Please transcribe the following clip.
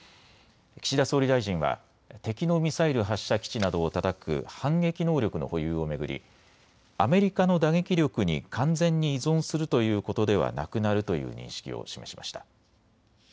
岸田総理大臣は敵のミサイル発射基地などをたたく反撃能力の保有を巡りアメリカの打撃力に完全に依存するということではなくなるという認識を示しました。